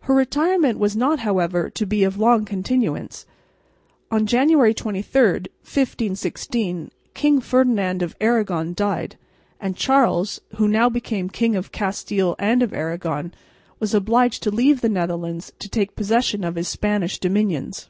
Her retirement was not, however, to be of long continuance. On January 23, 1516, King Ferdinand of Aragon died, and Charles, who now became King of Castile and of Aragon, was obliged to leave the Netherlands to take possession of his Spanish dominions.